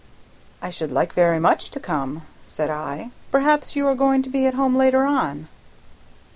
"I should like very much to come," said I. "Perhaps you are going to be at home later on?"